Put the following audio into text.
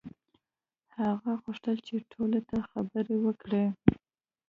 هغه غوښتل چې ټولو ته خبر وکړي.